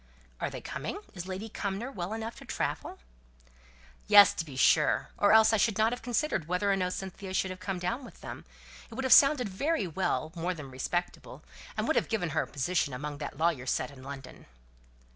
"Are they coming? Is Lady Cumnor well enough to travel?" "Yes, to be sure; or else I should not have considered whether or no Cynthia could have come down with them. It would have sounded very well more than respectable, and would have given her a position among that lawyer set in London."